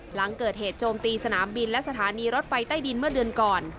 หลังเกิดเหตุโจมตีสนามบินและสถานีรถไฟใต้ดินเมื่อเดือนก่อน